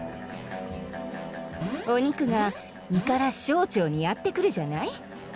おにくが胃から小腸にやってくるじゃない？